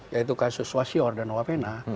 yaitu kasus wasior dan wapena